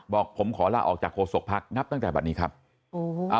บอกผมขอลาออกจากโฆษกภักดิ์นับตั้งแต่แบบนี้ครับอูหู